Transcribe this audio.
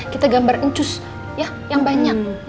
kita gambar ncus ya yang banyak